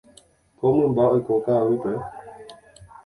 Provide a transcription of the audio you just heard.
Ko mymba oiko ka'aguýpe.